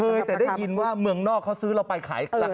เฮ้ยแต่ได้ยินว่าเมืองนอกเขาซื้อเราไปขายราคาแบบนี้